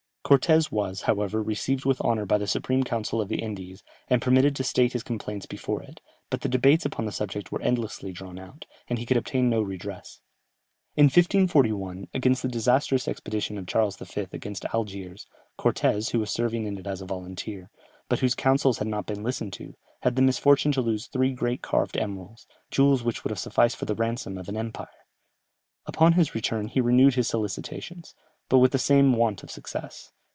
Cortès was, however, received with honour by the supreme council of the Indies, and permitted to state his complaints before it, but the debates upon the subject were endlessly drawn out, and he could obtain no redress. In 1541, during the disastrous expedition of Charles V. against Algiers, Cortès, who was serving in it as a volunteer, but whose counsels had not been listened to, had the misfortune to lose three great carved emeralds, jewels which would have sufficed for the ransom of an empire. Upon his return he renewed his solicitations, but with the same want of success.